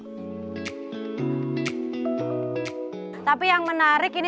tidak ada apa apa pun yang bisa kita lakukan di sini